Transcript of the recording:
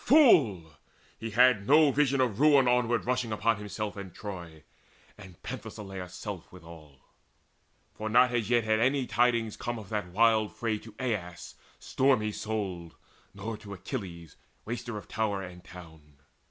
Fool! he had no vision Of ruin onward rushing upon himself And Troy, and Penthesileia's self withal. For not as yet had any tidings come Of that wild fray to Aias stormy souled, Nor to Achilles, waster of tower and town.